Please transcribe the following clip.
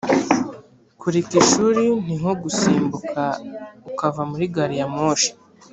kureka ishuri ni nko gusimbuka ukava muri gari ya moshi